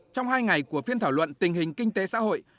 trong hai ngày của phiên thảo luận tình hình kinh tế xã hội